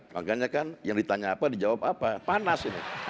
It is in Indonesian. makanya kan yang ditanya apa dijawab apa panas